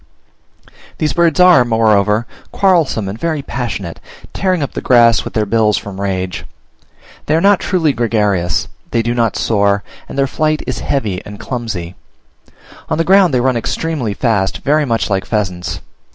These birds are, moreover, quarrelsome and very passionate; tearing up the grass with their bills from rage. They are not truly gregarious; they do not soar, and their flight is heavy and clumsy; on the ground they run extremely fast, very much like pheasants.